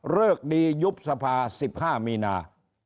เลิกดียุบสภา๑๕มีนา